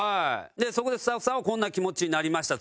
そこでスタッフさんはこんな気持ちになりました。